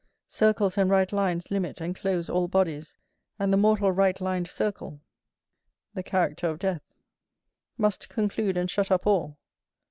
Circles and right lines limit and close all bodies, and the mortal right lined circle[BV] must conclude and shut up all.